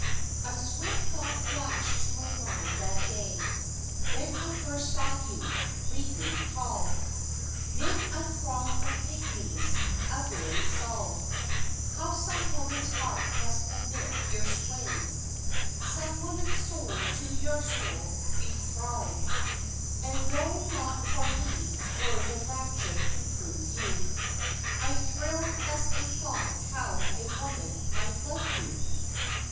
A swift thought flashed to my mind that day When I first saw you, regally tall 'Mid a throng of pigmies a very Saul How some woman's heart must admit your sway, Some woman's soul to your soul be thrall; (And though not for me were the rapture to prove you, I thrilled as I thought how a woman might love you!)